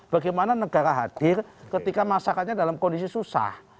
bagaimana negara hadir ketika masyarakatnya dalam kondisi susah